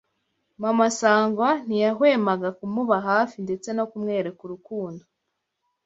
Mama Sangwa ntiyahwemaga kumuba hafi ndetse no kumwereka urukundo